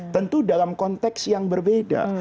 tentu dalam konteks yang berbeda